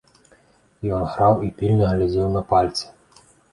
Ён граў і пільна глядзеў на пальцы.